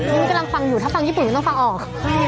อันนี้กำลังฟังอยู่ถ้าฟังญี่ปุ่นก็ต้องฟังออก